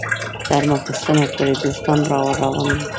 تر ماخستنه پورې دوستان راروان وو.